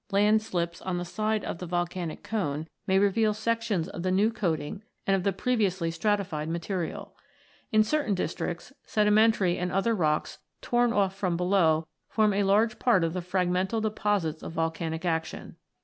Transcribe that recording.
Landslips on the side of the volcanic cone may reveal sections of the new coating and of previously stratified material (Fig. 14). In certain districts, sedimentary and other rocks torn off from below form a large part of the fragmental deposits of volcanic action.